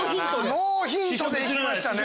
ノーヒントで行きましたね。